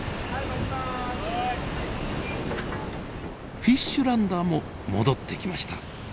フィッシュランダーも戻ってきました。